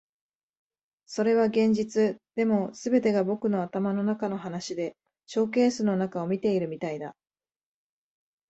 それは現実。でも、全てが僕の頭の中の話でショーケースの中を見ているみたいだ。